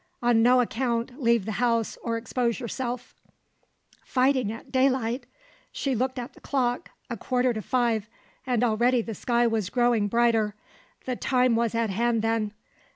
On no account leave the house or expose yourself_. Fighting at daylight! She looked at the clock, a quarter to five, and already the sky was growing brighter; the time was at hand then!